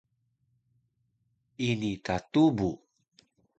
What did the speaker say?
ini ta tubu